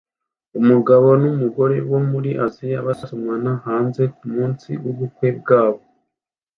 Umugabo n'umugore bo muri Aziya basomana hanze kumunsi w'ubukwe bwabo